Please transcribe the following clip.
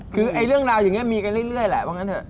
คือเรื่องราวอย่างนี้มีกันเรื่อยแหละว่างั้นเถอ